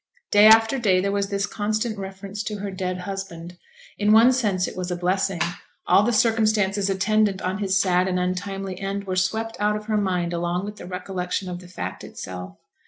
Day after day there was this constant reference to her dead husband. In one sense it was a blessing; all the circumstances attendant on his sad and untimely end were swept out of her mind along with the recollection of the fact itself.